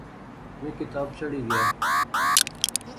میں کی تپ چڑھی گیا